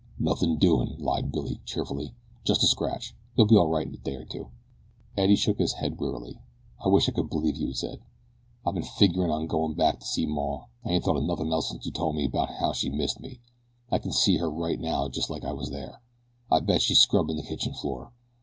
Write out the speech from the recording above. "Nothin' doin'," lied Billy cheerfully. "Just a scratch. You'll be all right in a day or two." Eddie shook his head wearily. "I wish I could believe you," he said. "I ben figgerin' on goin' back to see maw. I ain't thought o' nothin' else since you told me 'bout how she missed me. I ken see her right now just like I was there. I'll bet she's scrubbin' the kitchen floor.